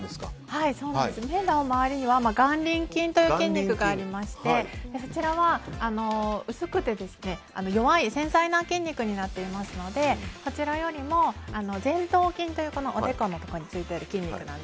目の周りには眼輪筋という筋肉がありましてそちらは、薄くて弱い繊細な筋肉になっているのでこちらよりも前頭筋というおでこについている筋肉。